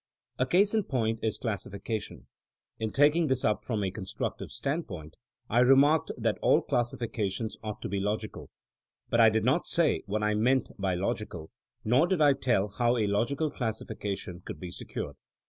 A case in point is classification. In taking this up from a constructive standpoint, I re marked that all classifications ought to be logi cal. But I did not say what I meant by logical, nor did I tell how a logical classification could be secured.